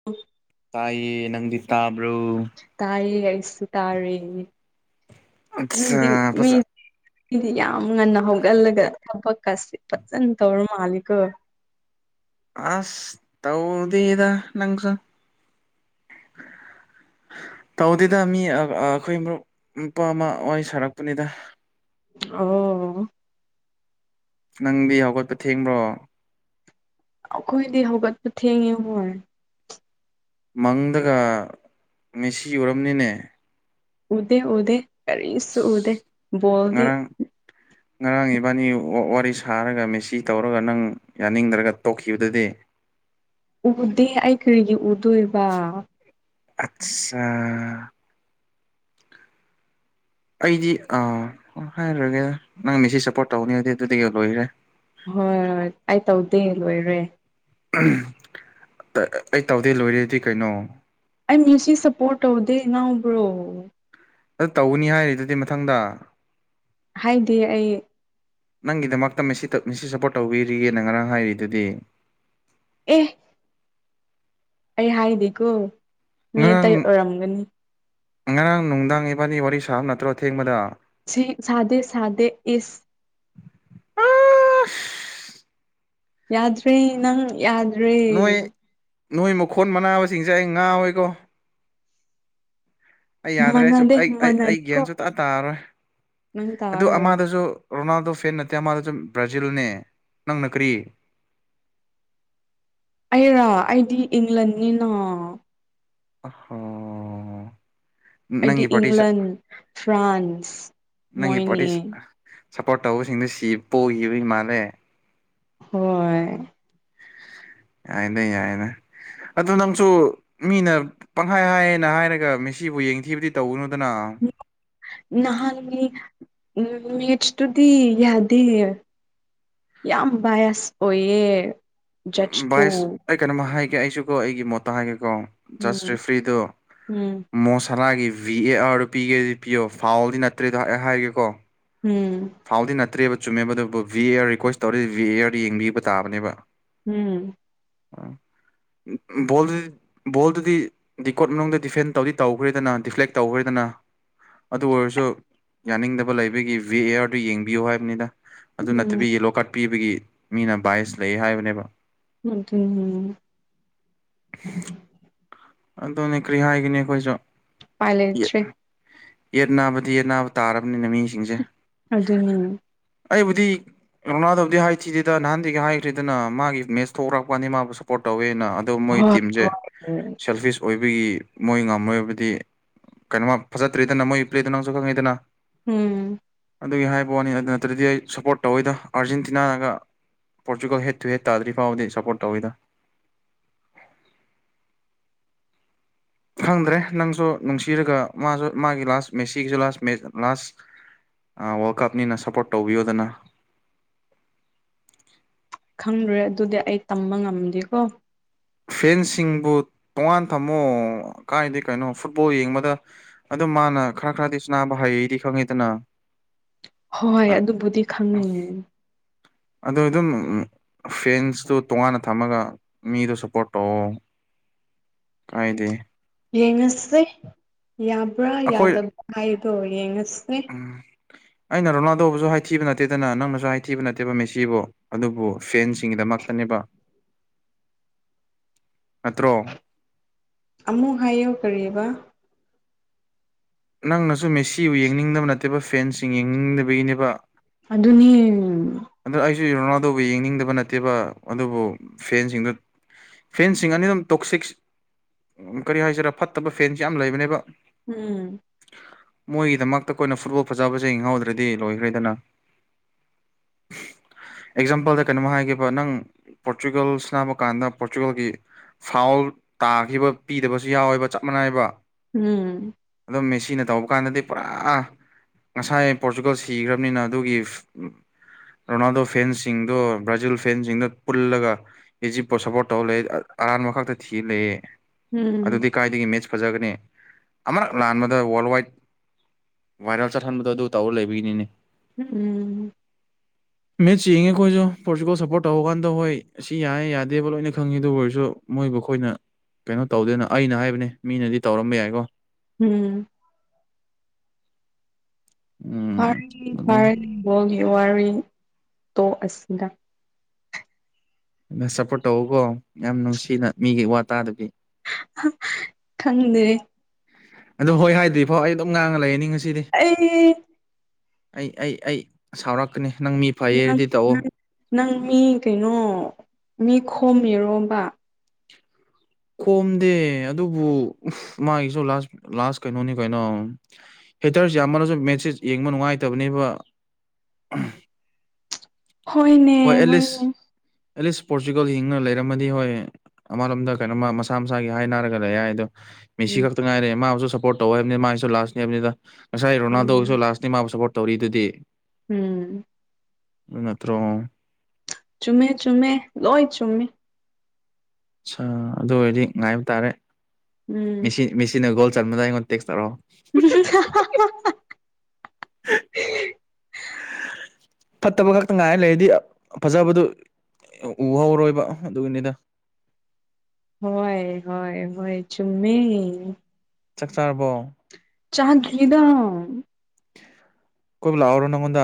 [inaudible] ꯇꯥꯏꯌꯦ ꯅꯪꯗꯤ ꯇꯥꯕ꯭ꯔꯣ ꯇꯥꯏꯌꯦ ꯑꯩꯁꯨ ꯇꯥꯔꯦ ꯃꯤꯗꯤ ꯑꯠꯆꯥ ꯃꯤ ꯐꯖ ꯃꯤꯗꯤ ꯌꯥꯝ ꯉꯟꯅ ꯍꯧꯒꯠꯂꯒ ꯊꯕꯛꯀꯁꯤ ꯐꯖꯅ ꯇꯧꯔ ꯃꯥꯂꯦꯀꯣ ꯑꯁ ꯇꯧꯗꯦꯗ ꯅꯪꯁꯨ ꯇꯧꯗꯦꯗ ꯃꯤ ꯑ ꯑꯩꯈꯣꯏ ꯃꯔꯨꯞ ꯅꯨꯄꯥ ꯑꯃ ꯋꯥꯔꯤ ꯁꯥꯔꯛꯄꯅꯤꯗ ꯑꯣ ꯅꯪꯗꯤ ꯍꯧꯒꯠꯄ ꯊꯦꯡꯕ꯭ꯔꯣ ꯑꯩꯈꯣꯏꯗꯤ ꯍꯧꯒꯠꯄ ꯊꯦꯡꯉꯦ ꯍꯣꯏ ꯃꯪꯗꯒ ꯃꯦꯁꯤ ꯎꯔꯝꯃꯤꯅꯦ ꯎꯗꯦ ꯎꯗꯦ ꯀꯔꯤꯁꯨ ꯎꯗꯦ ꯕꯣꯜꯗꯤ [inaudible] ꯉꯔꯥꯡ ꯏꯕꯥꯅꯤ ꯋꯥꯔꯤ ꯁꯥꯔꯒ ꯃꯦꯁꯤ ꯇꯧꯔꯒ ꯅꯪ ꯌꯥꯅꯤꯡꯗ꯭ꯔꯒ ꯇꯣꯛꯈꯤꯕꯗꯨꯗꯤ ꯎꯗꯦ ꯑꯩ ꯀꯔꯤꯒꯤ ꯎꯗꯣꯏꯕ ꯑꯁ ꯑ ꯑꯩꯗꯤ ꯑ ꯍꯥꯏꯔꯔꯣꯏꯒꯦꯗ ꯅꯪ ꯃꯤꯁꯤ ꯁꯞꯄꯣꯔꯠ ꯇꯧꯅꯤ ꯑꯩꯗꯤ ꯑꯗꯨꯗꯒꯤ ꯂꯣꯏꯈ꯭ꯔꯦ ꯍꯣꯏ ꯑꯩ ꯇꯧꯗꯦ ꯂꯣꯏꯔꯦ ꯑꯩ ꯇꯧꯗꯦ ꯂꯣꯏꯔꯦꯗꯤ ꯀꯩꯅꯣ ꯑꯩ ꯃꯤꯁꯤ ꯁꯞꯄꯣꯔꯠ ꯇꯧꯗꯦ ꯉꯥꯎꯕ꯭ꯔꯣ ꯑꯗꯨ ꯇꯧꯒꯅꯤ ꯍꯥꯏꯔꯤꯗꯨꯗꯤ ꯃꯊꯪꯗ ꯍꯥꯏꯗꯦ ꯑꯩ ꯅꯪꯒꯤꯗꯃꯛꯇ ꯃꯤꯁꯤ ꯃꯤꯁꯤ ꯁꯞꯄꯣꯔꯠ ꯇꯧꯕꯤꯔꯤꯒꯦꯅ ꯉꯔꯥꯡ ꯍꯥꯏꯔꯤꯗꯨꯗꯤ ꯑꯦ ꯑꯩ ꯍꯥꯏꯗꯦꯀꯣ ꯃꯤ ꯉꯔꯥꯡ ꯑꯇꯩ ꯑꯣꯏꯔꯝꯒꯅꯤ ꯉꯔꯥꯡ ꯅꯨꯡꯗꯥꯡ ꯏꯕꯥꯅꯤ ꯋꯥꯔꯤ ꯁꯥꯕ ꯅꯠꯇ꯭ꯔꯣ ꯑꯊꯦꯡꯕꯗ ꯁꯤ ꯁꯥꯗꯦ ꯁꯥꯗꯦ ꯏꯁ ꯌꯥꯗ꯭ꯔꯦ ꯅꯪ ꯌꯥ ꯅꯣꯏ ꯅꯣꯏ ꯃꯈꯣꯟ ꯃꯅꯥꯕꯁꯤꯡꯁꯦ ꯑꯩ ꯉꯥꯎꯏꯀꯣ ꯑꯩ ꯌꯥꯗ꯭ꯔꯦ ꯑꯩꯁꯨ ꯃꯥꯟꯅꯗꯦ ꯑꯩ ꯑꯩ ꯒ꯭ꯌꯥꯟ ꯃꯥꯟꯅꯗꯦꯀꯣ ꯁꯨ ꯇ ꯇꯥꯔꯔꯣꯏ ꯅꯪ ꯑꯗꯨ ꯇꯥꯔꯔꯣꯏ ꯑꯃꯗꯁꯨ ꯔꯣꯅꯥꯜꯗꯣ ꯐꯦꯟ ꯅꯠꯇꯦ ꯑꯃꯗ ꯁꯨꯝ ꯕ꯭ꯔꯥꯖꯤꯜꯅꯦ ꯅꯪꯅ ꯀꯔꯤ ꯑꯩꯔꯣ ꯑꯩꯗꯤ ꯏꯪꯂꯦꯟꯅꯤꯅ ꯑꯣ ꯑꯩꯗꯤ ꯅꯪꯒꯤ ꯄꯥꯕꯔꯇꯤꯁꯦ ꯏꯪꯂꯟ ꯐ꯭ꯔꯥꯟꯁ ꯅꯪꯒꯤ ꯃꯣꯏꯅꯤ ꯄꯥꯔꯇꯤꯁꯦ ꯁꯞꯄꯣꯔꯠ ꯇꯧꯕꯁꯤꯡꯗꯣ ꯁꯤ ꯄꯣꯛꯈꯤꯕ ꯃꯥꯜꯂꯦ ꯍꯣꯏ ꯌꯥꯏꯗ ꯌꯥꯏꯗ ꯑꯗꯨ ꯅꯪꯁꯨ ꯃꯤꯅ ꯄꯪꯍꯥꯏ ꯍꯥꯏꯌꯦꯅ ꯍꯥꯏꯔꯒ ꯃꯤꯁꯤꯕꯨ ꯌꯦꯡꯊꯤꯕꯗꯤ ꯇꯧꯒꯅꯨꯗꯅ ꯅꯍꯥꯟꯒꯤ ꯎꯝ ꯃꯦꯆꯠꯁ ꯇꯨꯗꯤ ꯌꯥꯗꯦꯌꯦ ꯌꯥꯝ ꯕꯥꯏꯁ ꯑꯣꯏꯌꯦ ꯖꯠꯁꯇꯣ ꯕꯥꯏꯁ ꯑꯩ ꯀꯩꯅꯣꯃ ꯍꯥꯏꯒꯦ ꯑꯩꯁꯨ ꯀꯣ ꯑꯩꯒꯤ ꯃꯣꯠꯇ ꯍꯥꯏꯒꯦꯀꯣ just um ꯔꯤꯐ꯭ꯔꯤꯗꯨ um ꯃꯣꯁꯥꯂꯥꯒꯤ V A ꯑꯥꯔꯗꯨ ꯄꯤꯒꯦꯗꯤ ꯄꯤꯌꯣ ꯐꯥꯎꯗꯤ ꯅꯠꯇ꯭ꯔꯦꯗꯣ ꯑꯩ ꯍꯥꯏꯒꯦꯀꯣ ꯎꯝ ꯐꯥꯎꯗꯤ ꯅꯠꯇ꯭ꯔꯦꯕ ꯆꯨꯝꯃꯦꯕ ꯑꯗꯨꯕꯨ ꯚꯤ ꯑꯦꯌꯔ ꯔꯤꯀ꯭ꯋꯦꯁ ꯇꯧꯔꯗꯤ ꯚꯤ ꯑꯦꯌꯔ ꯌꯦꯡꯕꯤꯕ ꯇꯥꯕꯅꯦꯕ ꯎꯝ ꯕꯣꯜꯗꯤ ꯕꯣꯜꯗꯨꯗꯤ ꯗꯤꯀꯣꯠ ꯃꯅꯨꯡꯗ ꯗꯤꯐꯦꯟ ꯇꯧꯗꯤ ꯇꯧꯈ꯭ꯔꯦꯗꯅ ꯗꯤꯐ꯭ꯂꯦꯛ ꯇꯧꯈ꯭ꯔꯦꯗꯅ ꯑꯗꯨ ꯑꯣꯏꯔꯁꯨ ꯌꯥꯅꯤꯡꯗꯕ ꯂꯩꯕꯒꯤ ꯚꯤ ꯑꯦꯌꯥꯔ ꯑꯗꯨ ꯌꯦꯡꯕꯤꯌꯨ ꯍꯥꯏꯕꯅꯤꯗ ꯑꯗꯨ ꯎꯝ ꯅꯠꯇꯕꯤ ꯌꯦꯂꯣ ꯀꯥꯔꯠ ꯄꯤꯕꯒꯤ ꯃꯤꯅ ꯚꯥꯏꯁ ꯂꯩ ꯍꯥꯏꯕꯅꯦꯕ ꯑꯗꯨꯕꯨꯕ ꯑꯗꯨꯅꯦ ꯀꯔꯤ ꯍꯥꯏꯒꯅꯤ ꯑꯩꯈꯣꯏꯁꯨ ꯎꯄꯥꯏ ꯌꯦꯡ ꯂꯩꯇ꯭ꯔꯦ ꯌꯦꯠ ꯅꯥꯕꯗꯤ ꯌꯦꯠ ꯅꯥꯕ ꯇꯥꯔꯕꯅꯤꯅ ꯃꯤꯁꯤꯡꯁꯦ ꯑꯗꯨꯅꯤꯅꯦ ꯑꯩꯕꯨꯗꯤ ꯔꯣꯅꯥꯜꯗꯣꯗꯤ ꯍꯥꯏꯊꯤꯗꯦꯗ ꯅꯍꯥꯟꯗꯒꯤ ꯍꯥꯏꯗ꯭ꯔꯤꯗꯅ ꯃꯥꯒꯤ ꯃꯦꯠꯁ ꯊꯣꯛꯛꯄꯅꯤ ꯃꯥꯕꯨ ꯁꯞꯄꯣꯔꯠ ꯇꯧꯋꯦꯅ ꯑꯗꯣ ꯃꯣꯏ ꯇꯤꯝꯁꯦ ꯎꯝ ꯁꯦꯜꯐꯤꯁ ꯑꯣꯏꯕꯒꯤ ꯃꯣꯏ ꯉꯝꯃꯣꯏꯔꯕꯗꯤ ꯀꯩꯅꯣꯃ ꯐꯖꯠꯇ꯭ꯔꯦꯗꯅ ꯃꯣꯏ ꯄ꯭ꯂꯦꯗꯣ ꯅꯪꯁꯨ ꯈꯪꯉꯤꯗꯅ ꯎꯝ ꯑꯗꯨꯒꯤ ꯍꯥꯏꯕ ꯋꯥꯅꯤ ꯑꯗꯨ ꯅꯠꯇ꯭ꯔꯗꯤ ꯑꯩ ꯁꯞꯄꯣꯔꯠ ꯇꯧꯋꯤꯗ ꯑꯥꯔꯖꯦꯟꯇꯤꯅꯥꯅꯒ ꯄꯣꯔꯆꯨꯒꯜ ꯍꯦꯠꯇꯨ ꯍꯠ ꯇꯗ꯭ꯔꯤ ꯐꯥꯎꯗꯤ ꯁꯞꯄꯣꯔꯠ ꯇꯧꯋꯤꯗ ꯈꯪꯗ꯭ꯔꯦ ꯅꯪꯁꯨ ꯅꯨꯡꯁꯤꯔꯒ ꯃꯥꯁꯨ ꯃꯥꯒꯤ ꯂꯥꯁ ꯃꯦꯁꯤꯒꯤꯁꯨ ꯂꯥꯁ ꯃꯦ ꯂꯥꯁ ꯋꯥꯔꯜ ꯀꯞꯅꯤꯅ ꯁꯞꯄꯣꯔꯠ ꯇꯧꯕꯤꯌꯣꯗꯅ ꯈꯪꯗ꯭ꯔꯦ ꯑꯗꯨꯗꯤ ꯑꯩ ꯇꯝꯕ ꯉꯝꯗꯦꯀꯣ ꯐꯦꯟꯁꯤꯡꯕꯨ ꯇꯣꯉꯥꯟ ꯊꯝꯃꯣ ꯀꯥꯏꯗꯤ ꯀꯩꯅꯣ ꯐꯨꯠꯕꯣꯜ ꯌꯦꯡꯕꯗ ꯑꯗꯨ ꯃꯥꯅ ꯈꯔ ꯈꯔꯗꯤ ꯁꯅꯥꯕ ꯍꯩꯗꯤ ꯈꯪꯉꯤꯗꯅ ꯍꯣꯏ ꯑꯗꯨꯕꯨꯗꯤ ꯈꯪꯉꯦ ꯑꯣ ꯑꯗꯨꯝ ꯎꯝ ꯐꯦꯟꯁꯇꯨ ꯇꯣꯉꯥꯟꯅ ꯊꯝꯃꯒ ꯃꯤꯗꯨ ꯁꯞꯄꯣꯔꯠ ꯇꯧꯑꯣ ꯀꯥꯏꯗꯦ ꯌꯦꯡꯉꯁꯦ ꯌꯥꯕ꯭ꯔꯥ ꯑꯩꯈꯣꯏ ꯌꯥꯗꯕ꯭ꯔꯥ ꯍꯥꯏꯗꯣ ꯌꯦꯡꯉꯁꯦ ꯑꯩꯅ ꯔꯣꯂꯥꯜꯗꯣꯕꯨꯁꯨ ꯍꯥꯏꯊꯤꯕ ꯅꯠꯇꯦꯗꯅ ꯅꯪꯅꯁꯨ ꯍꯥꯏꯊꯤꯕ ꯅꯠꯇꯦꯕ ꯃꯦꯁꯤꯕꯨ ꯑꯗꯨꯕꯨ ꯐꯦꯟꯁꯤꯡꯒꯤꯗꯃꯛꯇꯅꯦꯕ ꯅꯠꯇ꯭ꯔꯣ ꯑꯃꯨꯛ ꯍꯥꯏꯌꯨ ꯀꯔꯤꯕ ꯅꯪꯅꯁꯨ ꯃꯦꯁꯤꯕꯨ ꯌꯦꯡꯅꯤꯡꯗꯕ ꯅꯠꯇꯦꯕ ꯐꯦꯟꯁꯤꯡ ꯌꯦꯡꯅꯤꯡꯗꯕꯒꯤꯅꯦꯕ ꯑꯗꯨꯅꯤ ꯑꯗꯨ ꯑꯩꯁꯨ ꯔꯣꯅꯥꯜꯗꯣꯕꯨ ꯌꯦꯡꯅꯤꯡꯗꯕ ꯅꯠꯇꯦꯕ ꯑꯗꯨꯕꯨ ꯐꯦꯟꯁꯤꯡꯗꯨ ꯐꯦꯟꯁꯤꯡ ꯑꯅꯤ ꯑꯗꯨꯝ ꯇꯣꯛꯁꯤꯛꯁ ꯀꯔꯤ ꯍꯥꯏꯁꯤꯔꯥ ꯐꯠꯇꯕ ꯐꯦꯟꯁ ꯌꯥꯝ ꯂꯩꯕꯅꯦꯕ ꯎꯝ ꯃꯣꯏꯒꯤꯗꯃꯛꯇ ꯑꯩꯈꯣꯏꯅ ꯐꯨꯠꯕꯣꯜ ꯐꯖꯕꯁꯦ ꯌꯦꯡꯍꯧꯗ꯭ꯔꯗꯤ ꯂꯣꯏꯈ꯭ꯔꯦꯗꯅ ꯑꯦꯛꯖꯥꯝꯄꯜꯗ ꯀꯩꯅꯣꯝ ꯍꯥꯏꯒꯦꯕ ꯅꯪ ꯄꯣꯔꯇꯨꯒꯜ ꯁꯥꯟꯅꯕ ꯀꯥꯟꯗ ꯄꯣꯔꯇꯨꯒꯜꯒꯤ ꯐꯥꯎꯜ ꯇꯥꯈꯤꯕ ꯄꯤꯗꯕꯁꯨ ꯌꯥꯎꯋꯦꯕ ꯆꯞ ꯃꯥꯟꯅꯥꯏꯕ ꯎꯝ ꯑꯗꯨꯝ ꯃꯦꯁꯤꯅ ꯇꯧꯕ ꯀꯥꯟꯗꯗꯤ ꯄꯨꯔꯥ ꯉꯁꯥꯏ ꯄꯣꯔꯇꯨꯒꯜ ꯁꯤꯈ꯭ꯔꯕꯅꯤꯅ ꯑꯗꯨꯒꯤ ꯔꯣꯅꯥꯜꯗꯣ ꯐꯦꯟꯁꯤꯡꯗꯣ ꯕ꯭ꯔꯥꯖꯤꯜ ꯐꯦꯟꯁꯤꯡꯗꯣ ꯄꯨꯜꯂꯒ ꯑꯦꯖꯤꯞꯄꯨ ꯁꯞꯄꯣꯔꯠ ꯇꯧ ꯂꯩ ꯑꯔꯥꯟꯕ ꯈꯛꯇ ꯊꯤ ꯂꯩꯌꯦ ꯎꯝ ꯑꯗꯨꯗꯤ ꯀꯥꯏꯗꯒꯤ ꯃꯦꯠꯆ ꯐꯖꯒꯅꯤ ꯑꯃꯔꯛ ꯂꯥꯟꯕꯗ ꯋꯥꯔꯜ ꯋꯥꯏꯗ ꯚꯥꯏꯔꯦꯜ ꯆꯠꯍꯟꯕꯗꯣ ꯑꯗꯨ ꯇꯧꯔ ꯂꯩꯕꯒꯤꯅꯤꯅꯦ ꯎꯝ ꯃꯦꯠꯁ ꯌꯦꯡꯉꯦ ꯑꯩꯈꯣꯏꯁꯨ ꯄꯣꯔꯇꯨꯒꯜ ꯁꯄꯣꯔꯠ ꯇꯧꯕ ꯀꯥꯟꯗ ꯍꯣꯏ ꯑꯁꯤ ꯌꯥꯏꯌꯦ ꯌꯥꯗꯦꯕ ꯂꯣꯏꯅ ꯈꯪꯉꯤ ꯑꯗꯨ ꯑꯣꯏꯔꯁꯨ ꯃꯣꯏꯕꯨ ꯑꯩꯈꯣꯏꯅ ꯀꯩꯅꯣ ꯇꯧꯗꯦꯅ ꯑꯩꯅ ꯍꯥꯏꯕꯅꯦ ꯃꯤꯅꯗꯤ ꯇꯧꯔꯝꯕ ꯌꯥꯏꯀꯣ ꯎꯝ ꯎꯝ ꯑꯗꯨꯝ [unintelligible] ꯕꯣꯜꯒꯤ ꯋꯥꯔꯤ ꯇꯣꯛ ꯑꯁꯤꯗ ꯃꯦꯁ ꯁꯞꯄꯣꯔꯠ ꯇꯧꯋꯣꯀꯣ ꯌꯥꯝ ꯅꯨꯡꯁꯤꯅ ꯃꯤꯒꯤ ꯋꯥ ꯇꯥꯗꯕꯤ ꯈꯪꯗꯦ ꯑꯗꯨ ꯍꯣꯏ ꯍꯥꯏꯗ꯭ꯔꯤ ꯐꯥꯎ ꯑꯩ ꯑꯗꯨꯝ ꯉꯥꯡꯉ ꯂꯩꯅꯤ ꯉꯁꯤ ꯑꯩ ꯑꯩ ꯑꯩ ꯑꯩ ꯁꯥꯎꯔꯛꯀꯅꯤ ꯅꯪ ꯃꯤ ꯅꯪ ꯐꯩꯌꯦꯗꯤ ꯇꯧꯑꯣ ꯅꯪ ꯅꯪ ꯃꯤ ꯀꯩꯅꯣ ꯃꯤ ꯈꯣꯝꯃꯤꯔꯣꯕ ꯈꯣꯝꯗꯦ ꯑꯗꯨꯕꯨ ꯃꯥꯒꯤꯁꯨ ꯂꯥꯁ ꯂꯥꯁ ꯀꯩꯅꯣꯅꯤ ꯀꯩꯅꯣ ꯍꯦꯇꯔꯁꯦ ꯌꯥꯝꯃꯟꯂꯁꯨ ꯃꯦꯠꯁꯁꯦ ꯌꯦꯡꯕ ꯅꯨꯡꯉꯥꯏꯇꯕꯅꯦꯕ ꯍꯣꯏꯅꯦ ꯍꯣꯏ ꯑꯦꯠꯂꯤꯁ ꯍꯣꯏꯅꯦ ꯑꯦꯠꯂꯤꯁ ꯄꯣꯔꯆꯨꯒꯜ ꯌꯦꯡꯅ ꯂꯩꯔꯝꯃꯗꯤ ꯍꯣꯏ ꯑꯃꯔꯣꯝꯗ ꯀꯩꯅꯣꯃ ꯃꯁꯥ ꯃꯁꯥꯒꯤ ꯍꯥꯏ ꯅꯥꯔꯒ ꯂꯩ ꯍꯥꯏꯗꯣ ꯃꯤꯁꯤ ꯎꯝ ꯈꯛꯇ ꯉꯥꯏꯔꯦ ꯃꯥꯕꯨꯁꯨ ꯁꯞꯄꯣꯔꯠ ꯇꯧ ꯍꯥꯏꯕꯅꯤ ꯃꯥꯒꯤꯁꯨ ꯂꯥꯁꯅꯤ ꯍꯥꯏꯕꯅꯤꯗ ꯉꯁꯥꯏ ꯔꯣꯅꯥꯜꯗꯣꯒꯤꯁꯨ ꯎꯝ ꯂꯥꯁ ꯑꯩ ꯃꯥꯕꯨ ꯁꯞꯄꯣꯔꯠ ꯇꯧꯔꯤꯗꯨꯗꯤ ꯎꯝ ꯅꯠꯇ꯭ꯔꯣ ꯆꯨꯝꯃꯦ ꯆꯨꯝꯃꯦ ꯂꯣꯏ ꯆꯨꯝꯃꯦ ꯑꯠꯁꯥ ꯑꯗꯨ ꯑꯣꯏꯔꯗꯤ ꯉꯥꯏꯕ ꯇꯥꯔꯦ ꯎꯝ ꯃꯤꯁꯤ ꯃꯤꯁꯤꯅ ꯒꯣꯜ ꯆꯟꯕꯗ ꯑꯩꯉꯣꯟꯗ ꯇꯦꯛꯁ ꯇꯧꯔꯛꯑꯣ [unintelligible] ꯐꯠꯇꯕ ꯈꯛꯇ ꯉꯥꯏ ꯂꯩꯔꯗꯤ ꯐꯖꯕꯗꯨ ꯎ ꯍꯧꯔꯣꯏꯕ ꯑꯗꯨꯒꯤꯅꯤꯗ꯫ ꯍꯣꯏ ꯍꯣꯏ ꯍꯣꯏ ꯆꯨꯝꯃꯤ꯫ ꯆꯥꯛ ꯆꯥꯔꯕꯣ꯫ ꯆꯥꯍꯟꯈ꯭ꯔꯤꯗꯥ ꯀꯣꯏꯕ ꯂꯥꯛꯎꯔꯣ ꯅꯪꯉꯣꯟꯗꯥ꯫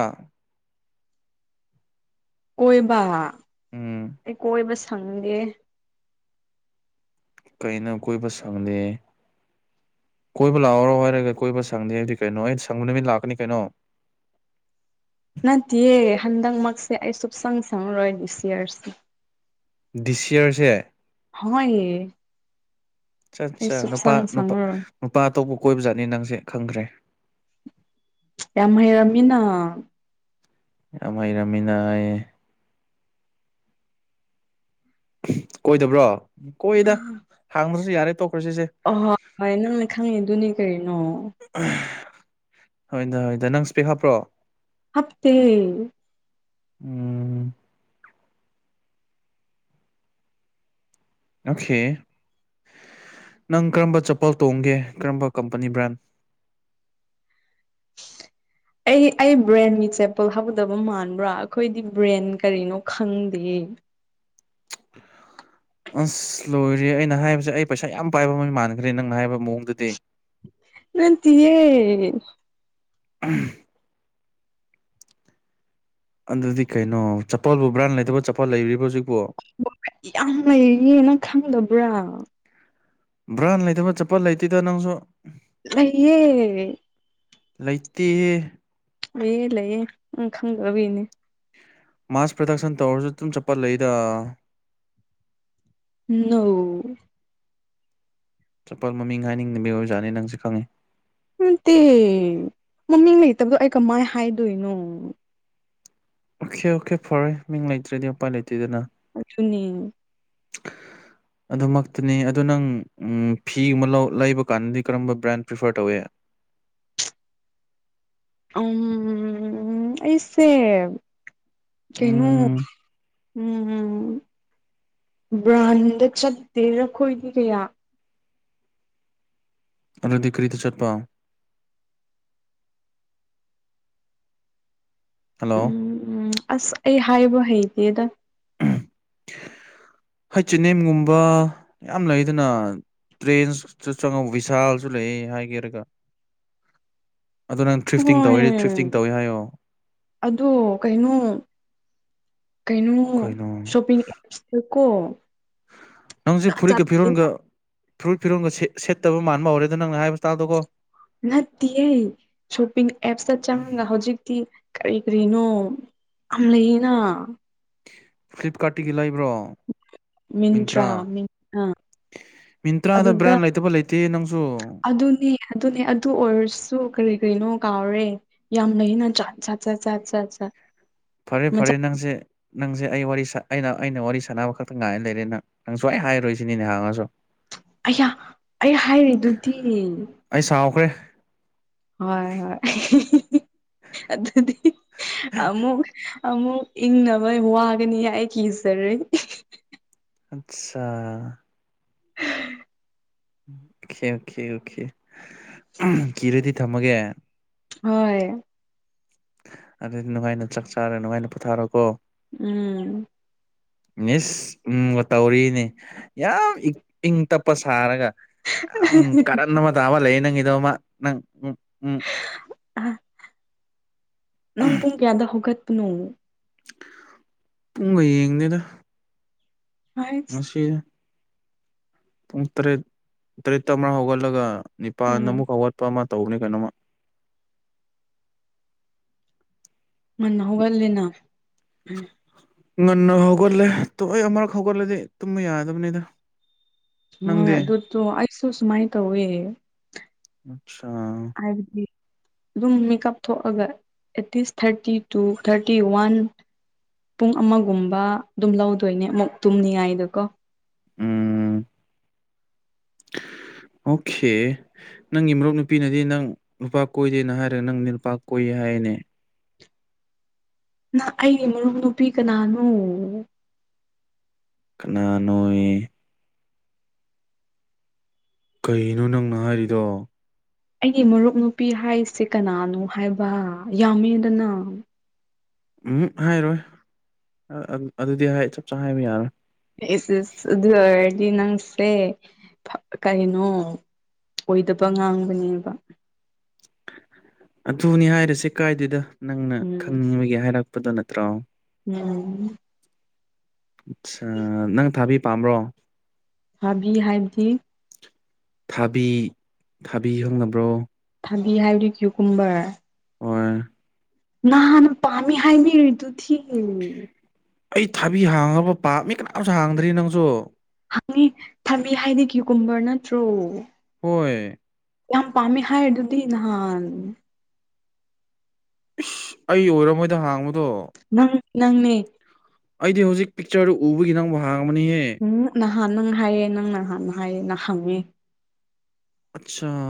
ꯀꯣꯏꯕꯥ ꯎꯝ ꯑꯩ ꯀꯣꯏꯕ ꯁꯪꯗꯦ꯫ ꯀꯩ ꯅꯪ ꯀꯣꯏꯕ ꯁꯪꯗꯦ꯫ ꯀꯣꯏꯕ ꯂꯥꯛꯑꯣꯔꯣ ꯍꯥꯏꯔꯒ ꯀꯣꯏꯕ ꯁꯪꯗꯦ ꯍꯥꯏꯕꯗꯤ ꯀꯩꯅꯣ ꯑꯩ ꯁꯪꯕ ꯅꯨꯃꯤꯠ ꯂꯥꯛꯀꯅꯤ ꯀꯩꯅꯣ꯫ ꯅꯠꯇꯦꯌꯦ ꯍꯟꯗꯛꯃꯛꯁꯦ ꯑꯩ ꯁꯨꯛꯁꯪ ꯁꯪꯉꯔꯣꯏ ꯗꯤꯁ ꯌꯦꯔꯁꯤ꯫ ꯗꯤꯁ ꯌꯦꯔꯁꯦ꯫ ꯍꯣꯏ ꯑꯩ ꯆꯠꯆꯥ ꯅꯨꯄꯥ ꯁꯨꯞꯁꯪ ꯅꯨꯄꯥ ꯁꯪꯉꯔꯣꯏ ꯅꯨꯄꯥ ꯑꯇꯣꯞꯄ ꯀꯣꯏꯕꯖꯥꯠꯅꯤ ꯅꯪꯁꯦ ꯈꯪꯈ꯭ꯔꯦ꯫ ꯌꯥꯝ ꯍꯩꯔꯝꯃꯤꯅꯥ꯫ ꯌꯥꯝ ꯍꯩꯔꯝꯃꯤꯅ ꯍꯥꯏꯌꯦ꯫ ꯀꯣꯏꯗꯕ꯭ꯔꯣ ꯀꯣꯏꯌꯦꯗ ꯍꯥꯡꯗ꯭ꯔꯁꯨ ꯌꯥꯔꯦ ꯇꯣꯛꯈ꯭ꯔ ꯁꯤꯁꯦ꯫ ꯑꯍꯣꯏ ꯍꯣꯏ ꯅꯪꯅ ꯈꯪꯉꯤꯗꯨꯅꯤ ꯀꯩꯅꯣ꯫ ꯍꯣꯏꯗ ꯍꯣꯏꯗ ꯅꯪ ꯁ꯭ꯄꯦꯛ ꯍꯥꯞꯄ꯭ꯔꯣ꯫ ꯍꯥꯞꯇꯦ꯫ [unintelligible] ꯑꯣꯀꯦ ꯅꯪ ꯀꯔꯝꯕ ꯆꯄꯜ ꯇꯣꯡꯒꯦ ꯀꯔꯝꯕ ꯀꯝꯄꯅꯤ ꯕ꯭ꯔꯥꯟ꯫ ꯑꯩ ꯑꯩ ꯕ꯭ꯔꯦꯟꯒꯤ ꯆꯦꯄꯜ ꯍꯥꯗꯕ ꯃꯥꯟꯕ꯭ꯔꯥ ꯑꯩꯈꯣꯏꯗꯤ ꯕ꯭ꯔꯦꯟ ꯀꯔꯤꯅꯣ ꯈꯪꯗꯦꯌꯦ꯫ ꯑꯁ ꯂꯣꯏꯔꯦ ꯑꯩꯅ ꯍꯥꯏꯕꯁꯦ ꯑꯩ ꯄꯩꯁꯥ ꯌꯥꯝ ꯄꯥꯏꯕ ꯃꯩ ꯃꯥꯟꯈ꯭ꯔꯦ ꯅꯪꯅ ꯍꯥꯏꯕ ꯃꯑꯣꯡꯗꯗꯤ꯫ ꯅꯠꯇꯤꯌꯦ꯫ [unintelligible] ꯑꯗꯨꯗꯤ ꯀꯩꯅꯣ ꯆꯄꯜꯕꯨ ꯕ꯭ꯔꯥꯟ ꯂꯩꯇꯕ ꯆꯄꯜ ꯂꯩꯔꯤꯕꯔꯤꯕ꯭ꯔ ꯍꯧꯖꯤꯛꯄꯣ꯫ ꯌꯥꯝ ꯂꯩꯌꯦ ꯅꯪ ꯈꯪꯗꯕ꯭ꯔꯥ꯫ ꯕ꯭ꯔꯥꯟ ꯂꯩꯇꯕ ꯆꯠꯄꯜ ꯂꯩꯇꯦꯗ ꯅꯪꯁꯨ꯫ ꯂꯩꯌꯦ꯫ ꯂꯩꯇꯦꯍꯦ꯫ ꯂꯩꯌꯦ ꯂꯩꯌꯦ ꯅꯪ ꯈꯪꯗꯕꯒꯤꯅꯤ꯫ ꯃꯥꯁ ꯄ꯭ꯔꯗꯛꯁꯟ ꯇꯧꯔꯁꯨ ꯑꯗꯨꯝ ꯆꯠꯄꯜ ꯂꯩꯗꯥ꯫ ꯅꫭ꯫ ꯆꯄꯜ ꯃꯃꯤꯡ ꯍꯥꯏꯅꯤꯡꯕꯒꯤ ꯑꯣꯖꯥꯠꯅꯦ ꯅꯪꯁꯦ ꯈꯪꯉꯦ꯫ ꯅꯠꯇꯦ ꯃꯃꯤꯡ ꯂꯩꯇꯕꯗꯣ ꯑꯩ ꯀꯃꯥꯏ ꯍꯥꯏꯗꯣꯏꯅꯣ꯫ ꯑꯣꯀꯦ ꯑꯣꯀꯦ ꯐꯔꯦ ꯃꯤꯡ ꯂꯩꯇ꯭ꯔꯗꯤ ꯎꯄꯥꯏ ꯂꯩꯇꯦꯗꯅ꯫ ꯑꯗꯨꯅꯤ꯫ [unintelligible] ꯑꯗꯨꯃꯛꯇꯅꯤ ꯑꯗꯨ ꯅꯪ ꯐꯤꯒꯨꯝꯕ ꯂꯧ ꯂꯩꯕ ꯀꯥꯟꯗꯗꯤ ꯀꯔꯝꯕ ꯕ꯭ꯔꯥꯟ ꯄ꯭ꯔꯤꯐꯔ ꯇꯧꯋꯦ꯫ ꯎꯝ ꯑꯁꯦ ꯀꯩꯅꫭ ꯎꯝ ꯎꯝ ꯕ꯭ꯔꯥꯟꯗ ꯆꯠꯇꯦꯗ ꯈꯣꯏꯗꯤ ꯀꯌꯥ꯫ ꯑꯗꯨꯗꯤ ꯀꯔꯤꯗ ꯆꯠꯄ꯫ ꯍꯜꯂꯣ ꯎꯝ ꯑꯁ ꯑꯩ ꯍꯥꯏꯕ ꯍꯩꯇꯦꯗ꯫ ꯍꯩꯆ ꯑꯦꯅꯦꯝꯒꯨꯝꯕ ꯌꯥꯝ ꯂꯩꯗꯅꯥ꯫ ꯇ꯭ꯔꯦꯟ ꯆꯪꯉꯧ ꯕꯤꯚꯤꯁꯥꯜꯁꯨ ꯂꯩ ꯍꯥꯏꯒꯦꯔꯒ꯫ ꯑꯗ ꯅꯪ ꯊ꯭ꯔꯤꯐꯇꯤꯡ ꯍꯣꯏ ꯇꯧꯔꯗꯤ ꯊ꯭ꯔꯤꯐꯇꯤꯡ ꯇꯧꯋꯦ ꯍꯥꯏꯑꯣ꯫ ꯑꯗꯣ ꯀꯩꯅꯣ ꯀꯩꯅꯣ ꯁꯣꯄꯤꯡ ꯀꯣ ꯅꯪꯖꯦ ꯐꯨꯔꯤꯠꯀ ꯐꯤꯔꯣꯟꯒ ꯐꯨꯔꯤꯠ ꯐꯤꯔꯣꯟꯒ ꯁꯦ ꯁꯦꯠꯇꯕ ꯃꯥꯟꯕ ꯍꯧꯔꯦꯗ ꯅꯪꯅ ꯍꯥꯏꯕ ꯏꯁꯇꯥꯏꯜꯗꯒꯣ꯫ ꯅꯠꯇꯤꯌꯦ ꯁꯣꯞꯄꯤꯡ ꯑꯦꯞꯁꯇ ꯆꯪꯉꯒ ꯍꯧꯖꯤꯛꯇꯤ ꯀꯔꯤ ꯀꯔꯤꯅꯣ ꯌꯥꯝ ꯂꯩꯌꯦꯅꯥ ꯐ꯭ꯂꯤꯞꯀꯥꯔꯠꯇꯒꯤ ꯂꯩꯕ꯭ꯔꯣ? ꯃꯤꯟꯇ꯭ꯔꯥ ꯃꯤꯥꯟ ꯑ ꯃꯤꯟꯇ꯭ꯔꯥꯗ ꯑꯗꯨꯗ ꯕ꯭ꯔꯥꯟ ꯂꯩꯇꯕ ꯂꯩꯇꯦ ꯅꯪꯁꯨ ꯑꯗꯨꯅꯦ ꯑꯗꯨꯅꯦ ꯑꯗꯨ ꯑꯣꯏꯔꯁꯨ ꯀ꯭ꯔꯤ ꯀ꯭ꯔꯤꯅꯣ ꯀꯥꯎꯔꯦ꯫ ꯌꯥꯝ ꯂꯩꯌꯦꯅ ꯖꯥꯠ ꯖꯥꯠ ꯖꯥꯠ ꯖꯥꯠ ꯖꯥꯠ ꯐꯔꯦ ꯃꯆꯥ ꯐꯔꯦ ꯅꯪꯁꯦ ꯅꯪꯁꯦ ꯑꯩ ꯋꯥꯔꯤ ꯑꯩꯅ ꯑꯩꯅ ꯋꯥꯔꯤ ꯁꯥꯟꯅꯕ ꯈꯛꯇ ꯉꯥꯏꯅ ꯂꯩꯔꯦ ꯅꯪ ꯅꯪ ꯁꯨꯍꯥꯏ ꯍꯥꯏꯔꯨꯣꯏꯁꯤꯅꯤꯅꯦꯍ ꯍꯥꯡꯉꯁꯨ꯫ ꯑꯌꯥ ꯑꯩ ꯍꯥꯏꯔꯤꯗꯨꯗꯤ ꯑꯩ ꯁꯥꯎꯈ꯭ꯔꯦ ꯍꯣꯏ ꯍꯣꯏ ꯑꯗꯨꯗꯤ ꯑꯃꯨꯛ ꯑꯃꯨꯛ ꯏꯪꯅꯕ ꯋꯥꯒꯅꯤ ꯑꯩ ꯀꯤꯖꯔꯦ꯫ ꯑꯠꯆꯥ [unintelligible] ꯑꯣꯀꯦ ꯑꯣꯀꯦ ꯑꯣꯀꯦ ꯀꯤꯔꯗꯤ ꯊꯝꯃꯒꯦ꯫ ꯍꯣꯏ ꯑꯗꯨꯗꯤ ꯅꯨꯡꯉꯥꯏꯅ ꯆꯥꯛ ꯆꯥꯔ ꯅꯨꯡꯉꯥꯏꯅ ꯄꯣꯊꯥꯔꯣꯀꯣ꯫ ꯎꯝ ꯃꯤꯁ ꯎꯝꯒ ꯇꯧꯔꯤꯅꯤ ꯌꯥꯝ ꯏꯪ ꯏꯪ ꯇꯞꯄ ꯁꯥꯔꯒ ꯌꯥꯝ ꯀꯥꯔꯟ ꯑꯃ ꯇꯥꯕ ꯂꯩꯌꯦ ꯅꯪꯒꯤꯗꯣ ꯑꯃ ꯎꯝ ꯎꯝ ꯑ ꯅꯪ ꯄꯨꯡ ꯀꯌꯥꯗ ꯍꯧꯒꯠꯄꯅꯣ? ꯄꯨꯡꯒ ꯌꯦꯡꯗꯦꯗ ꯍꯥꯏꯁ ꯉꯁꯤ ꯄꯨꯡ ꯇꯔꯦꯠ ꯇꯔꯦꯠꯇ ꯑꯃꯥ ꯍꯧꯒꯠꯂꯒ ꯅꯤꯄꯥꯥꯟ ꯎꯝ ꯑꯃꯨꯛ ꯍꯧꯒꯠꯄ ꯑꯃ ꯇꯧꯕꯅꯦ ꯀꯩꯅꯣꯃ ꯉꯟꯅ ꯍꯧꯒꯠꯂꯦꯅ ꯎꯝ ꯉꯟꯅ ꯍꯧꯒꯠꯂꯦ ꯇꯣꯑꯦ ꯑꯃꯔꯛ ꯍꯧꯒꯠꯂꯗꯤ ꯇꯨꯝꯕ ꯌꯥꯗꯕꯅꯤꯗ꯫ ꯍꯣꯏ ꯅꯪꯗꯤ ꯑꯗꯨ ꯇꯣ ꯑꯩꯁꯨ ꯁꯨꯃꯥꯏ ꯇꯧꯋꯦ꯫ ꯑꯆꯥ ꯍꯥꯏꯕꯗꯤ ꯑꯗꯨꯝ ꯃꯤꯀꯞ ꯊꯣꯛꯑꯒ at least thirty two thirty one ꯄꯨꯡ ꯑꯃꯒꯨꯝꯕ ꯑꯗꯨꯝ ꯂꯧꯗꯣꯏꯅꯦ ꯑꯃꯨꯛ ꯇꯨꯝꯅꯤꯉꯥꯏꯗ ꯀꯣ꯫ ꯎꯝ ꯑꯣꯀꯦ ꯅꯪꯒꯤ ꯃꯔꯨꯞ ꯅꯨꯄꯤꯅꯗꯤ ꯅꯪ ꯅꯨꯄꯥ ꯀꯣꯏꯗꯦꯅ ꯍꯥꯏꯔꯒ ꯅꯪ ꯅꯨꯄꯥ ꯀꯣꯏꯌꯦ ꯍꯥꯏꯅꯦ꯫ ꯅ ꯑꯩꯒꯤ ꯃꯔꯨꯞ ꯅꯨꯄꯤ ꯀꯅꯥꯅꯣ? ꯀꯅꯥ ꯅꯣꯌꯦ ꯀꯩꯅꯣ ꯅꯪꯅ ꯍꯥꯏꯔꯤꯗꯣ? ꯑꯩꯒꯤ ꯃꯔꯨꯞ ꯅꯨꯄꯤ ꯍꯥꯏꯁꯦ ꯀꯅꯥꯅꯣ ꯍꯥꯏꯕ ꯌꯥꯝꯃꯦꯗꯅ꯫ ꯎꯝ ꯍꯥꯏꯔꯣꯏ ꯑꯗꯨ ꯑꯗꯨꯗꯤ ꯆꯞ ꯆꯥꯅ ꯍꯥꯏꯕ ꯌꯥꯔꯣꯏ꯫ ꯑꯦ ꯑꯁ ꯑꯗꯨ ꯑꯣꯏꯔꯗꯤ ꯅꯪꯁꯦ ꯀꯅꯣ ꯑꯣꯏꯗꯕ ꯉꯥꯡꯕꯅꯦꯕ ꯑꯗꯨꯅꯤ ꯍꯥꯏꯔꯤꯁꯦ ꯀꯥꯏꯗꯦꯗ ꯅꯪꯅ ꯎꯝ ꯈꯪꯅꯤꯡꯕꯒꯦ ꯍꯥꯏꯔꯛꯄꯗꯣ ꯅꯠꯇ꯭ꯔꯣ ꯎꯝ ꯑꯆꯥ ꯅꯪ ꯊꯥꯕꯤ ꯄꯥꯝꯕ꯭ꯔꯣ ꯊꯥꯕꯤ ꯍꯥꯏꯕꯗꯤ ꯊꯥꯕꯤ ꯊꯥꯕꯤ ꯈꯪꯅꯕ꯭ꯔꯣ ꯊꯥꯕꯤ ꯍꯥꯏꯕꯤꯗꯤ ꯀ꯭ꯋꯨꯀꯨꯝꯕꯔ ꯍꯣꯏ ꯅꯍꯟꯅ ꯄꯃꯤ ꯍꯥꯏꯒꯔ꯭ꯤꯗꯨꯗꯤ ꯑꯩ ꯊꯥꯕꯤ ꯍꯥꯡꯉꯕ ꯄꯥꯝ ꯃꯤ ꯀꯅꯥꯝꯁꯨ ꯍꯥꯡꯗ꯭ꯔꯤ ꯅꯪꯁꯨ ꯍꯪꯉꯤ ꯊꯕꯤ ꯍꯥꯏꯗꯤ ꯀꯀꯨꯝꯕꯔ ꯅꯠꯇ꯭ꯔꯣ ꯍꯣꯏ ꯌꯥꯝ ꯄꯥꯝꯃꯦ ꯍꯥꯏꯗꯨꯗꯤ ꯅꯍꯥꯟ ꯏꯁ ꯑꯩ ꯑꯣꯏꯔꯝ ꯃꯣꯏꯗ ꯍꯥꯡꯕꯗꯣ ꯅꯪ ꯅꯪꯅꯦ ꯑꯩꯗꯤ ꯍꯧꯖꯤꯛ ꯄꯤꯛꯆꯔꯗꯨ ꯎꯕꯒꯤ ꯅꯪꯕꯨ ꯍꯥꯡꯃꯅꯤꯍꯦ ꯎꯝ ꯅꯍꯥꯟ ꯅꯪ ꯍꯥꯏꯌꯦ ꯅꯪ ꯅꯍꯥꯟ ꯍꯥꯏꯌꯦ ꯅ ꯍꯪꯉꯦ ꯑꯆꯥ